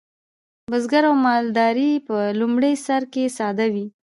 بزګري او مالداري په لومړي سر کې ساده وې.